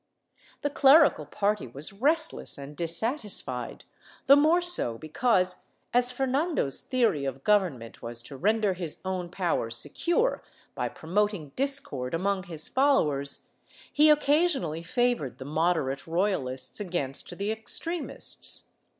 The clerical party was restless and dissatisfied, the more so because, as Fernando's theory of govern ment was to render his own power secure by promoting discord among his followers, he occasionally favored the moderate Royal ists against the extremists.